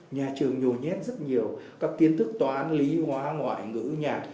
nhà trường nhồi nhét rất nhiều các kiến thức tòa án lý hóa ngoại ngữ nhà